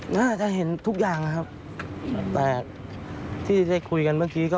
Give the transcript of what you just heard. น่าจะเห็นทุกอย่างนะครับแต่ที่ได้คุยกันเมื่อกี้ก็